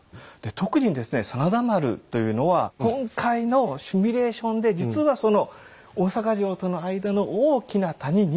特にですね真田丸というのは今回のシミュレーションで実は大坂城との間の大きな谷に。